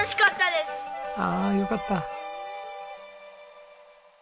ああよかった。